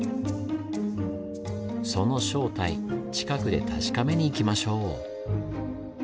その正体近くで確かめに行きましょう！